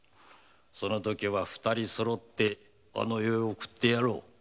そのときは二人そろってあの世へ送ってやろう。